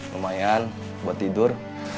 lumayan buat tidur